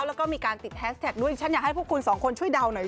แล้วก็มีการติดแฮสแท็กด้วยฉันอยากให้พวกคุณสองคนช่วยเดาหน่อย